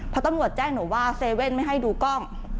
เพราะตำรวจแจ้งหนูว่าเซเว่นไม่ให้ดูกล้อง